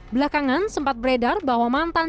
belakangan sempat beredar bahwa mantan